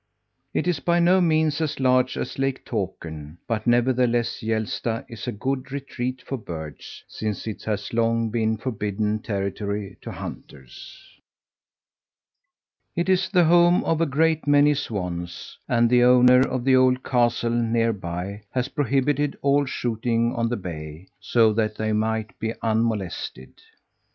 It is by no means as large as Lake Tåkern, but nevertheless Hjälsta is a good retreat for birds, since it has long been forbidden territory to hunters. It is the home of a great many swans, and the owner of the old castle nearby has prohibited all shooting on the bay, so that they might be unmolested.